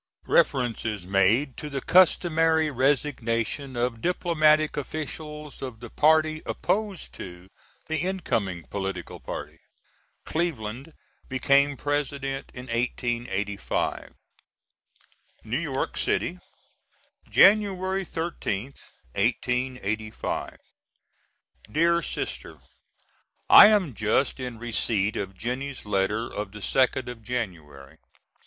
Reference is made to the customary resignation of diplomatic officials of the party opposed to the incoming political party. Cleveland became President in 1885.] New York City, Jan'y 13th, 1885. DEAR SISTER: I am just in receipt of Jennie's letter of the 2nd of January.